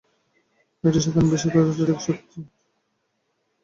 একটি সাধারণ বিশ্বাস, অথচ এটাই তাঁকে হত্যা করার জন্য যথেষ্ট ছিল।